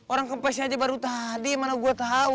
orang kempes aja baru tadi mana gue tahu